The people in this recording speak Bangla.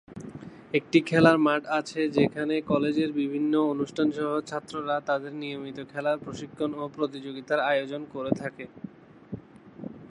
একটি খেলার মাঠ আছে যেখানে কলেজের বিভিন্ন অনুষ্ঠান সহ ছাত্ররা তাদের নিয়মিত খেলার প্রশিক্ষণ ও প্রতিযোগিতার আয়োজন করে থাকে।